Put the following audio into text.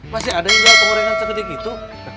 masih ada nggak pengorengan segede gitu